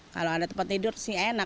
kalau ada tempat tidur sih enak